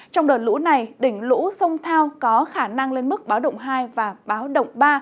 trong đợt lũ này đỉnh lũ sông thao có khả năng lên mức báo động hai và báo động ba